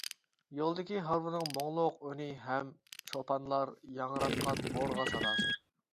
يولدىكى ھارۋىنىڭ مۇڭلۇق ئۈنى ھەم چوپانلار ياڭراتقان بۇرغا ساداسى.